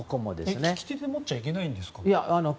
利き手で持っちゃいけないんですか？